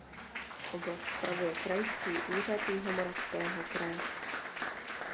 Oblast spravuje Krajský úřad Jihomoravského kraje.